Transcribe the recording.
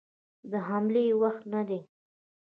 د حملې وخت نه دی.